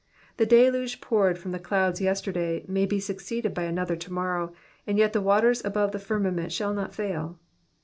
The deluge poured from the clouds yesterday may be succeeded by another to morrow, and yet the waters above the firmament shall not fail.